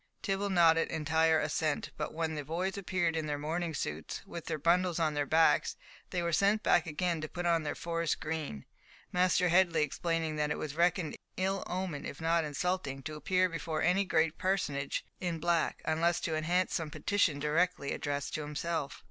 Tibble nodded entire assent, but when the boys appeared in their mourning suits, with their bundles on their backs, they were sent back again to put on their forest green, Master Headley explaining that it was reckoned ill omened, if not insulting, to appear before any great personage in black, unless to enhance some petition directly addressed to himself.